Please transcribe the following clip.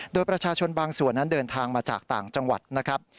โดยประชาชนบางส่วนนั้นเดินทางมาจากต่างจังหวัดนะครับ